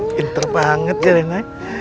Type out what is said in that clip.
pinter banget ya rena